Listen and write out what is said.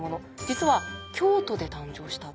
実は京都で誕生した。